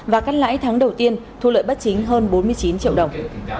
và cắt lãi tháng đầu tiên thu lợi bất chính hơn bốn mươi chín triệu đồng